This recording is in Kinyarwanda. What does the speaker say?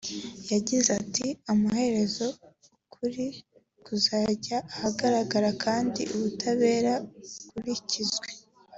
yagize ati “Amaherezo ukuri kuzajya ahagaragara kandi ubutabera bukurikizwe